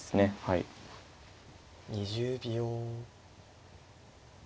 ２０秒。